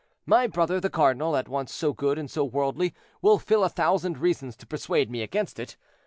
My brother, the cardinal, at once so good and so worldly, will find a thousand reasons to persuade me against it.